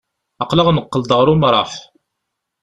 Aql-aɣ neqqel-d ɣer umṛaḥ.